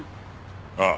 ああ。